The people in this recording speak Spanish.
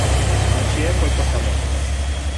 Monsieur fue el portavoz.